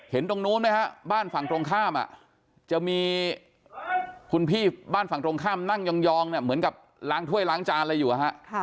ตรงนู้นไหมฮะบ้านฝั่งตรงข้ามจะมีคุณพี่บ้านฝั่งตรงข้ามนั่งยองเนี่ยเหมือนกับล้างถ้วยล้างจานอะไรอยู่